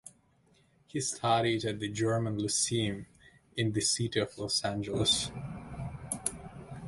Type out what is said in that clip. He studied at the German Lyceum in the city of Los Angeles.